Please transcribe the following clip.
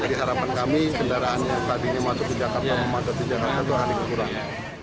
jadi harapan kami kendaraan yang tadinya matut di jakarta mematut di jakarta itu akan dikekurang